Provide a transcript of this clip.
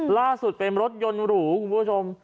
ล่าสุดเป็นรถยนต์หรูคุณผู้ชม